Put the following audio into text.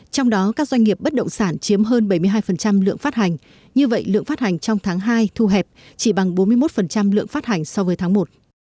trong đó các doanh nghiệp bất động sản chiếm hơn bảy mươi hai lượng phát hành như vậy lượng phát hành trong tháng hai thu hẹp chỉ bằng bốn mươi một lượng phát hành so với tháng một